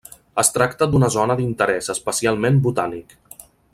Es tracta d'una zona d'interès especialment botànic.